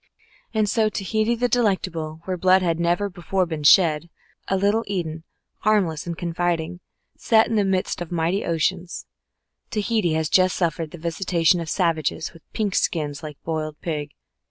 And so Tahiti the Delectable, where blood had never before been shed, a little Eden, harmless and confiding, set in the midst of mighty oceans Tahiti has just suffered the visitation of savages with pink skins like boiled pig.